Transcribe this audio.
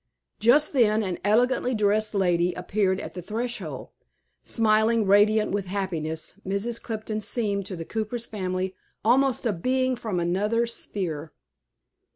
Just then, an elegantly dressed lady appeared at the threshold. Smiling, radiant with happiness, Mrs. Clifton seemed, to the cooper's family, almost a being from another sphere.